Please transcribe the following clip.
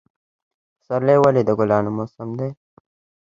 پسرلی ولې د ګلانو موسم دی؟